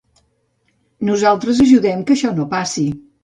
Nosaltres ajudem que això no passi.